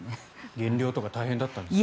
減量とか大変だったんですか？